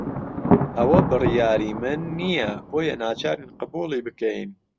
ئەوە بڕیاری من نییە، بۆیە ناچارین قبوڵی بکەین.